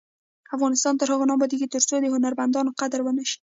افغانستان تر هغو نه ابادیږي، ترڅو د هنرمندانو قدر ونشي.